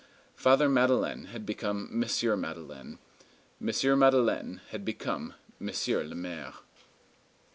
Father Madeleine had become Monsieur Madeleine. Monsieur Madeleine became Monsieur le Maire.